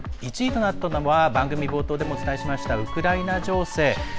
１位となったのは番組冒頭でもお伝えしましたウクライナ情勢。